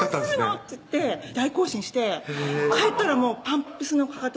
っつって大行進して帰ったらパンプスのかかと